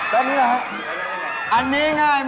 แล้วหนูเล่นอย่างไร